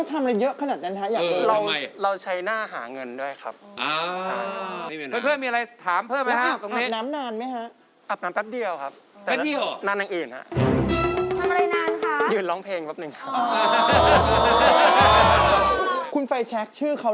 อย่าบอกนะว่าวันนี้พบมา